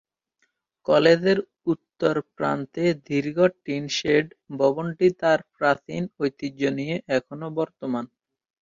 কলেজের উত্তর প্রান্তে দীর্ঘ টিনশেড ভবনটি তার প্রাচীন ঐতিহ্য নিয়ে এখনও বর্তমান।